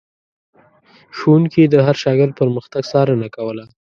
ښوونکي د هر شاګرد پرمختګ څارنه کوله.